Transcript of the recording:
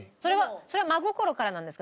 それは真心からなんですか？